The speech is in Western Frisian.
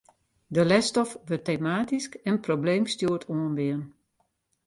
De lesstof wurdt tematysk en probleemstjoerd oanbean.